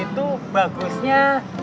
itu mah celengan kang